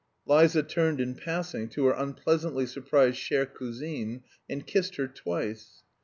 Liza turned in passing to her unpleasantly surprised chère cousine, and kissed her twice.